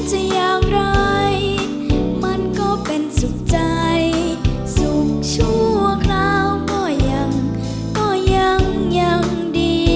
จะอย่างไรมันก็เป็นสุขใจสุขชั่วคราวก็ยังก็ยังดี